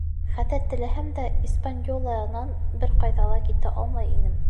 Хәҙер теләһәм дә «Испаньола»нан бер ҡайҙа ла китә алмай инем.